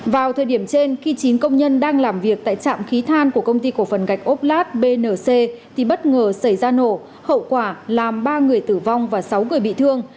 vào thời điểm trên khi chín công nhân đang làm việc tại trạm khí than của công ty cổ phần gạch ốp lát bnc thì bất ngờ xảy ra nổ hậu quả làm ba người tử vong và sáu người bị thương